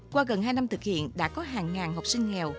qua gần hai năm thực hiện đã có hàng ngàn học sinh nghèo